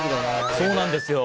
そうなんですよ。